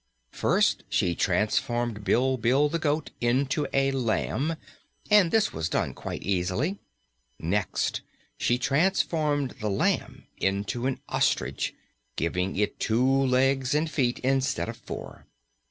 First she transformed Bilbil the goat into a lamb, and this was done quite easily. Next she transformed the lamb into an ostrich, giving it two legs and feet instead of four.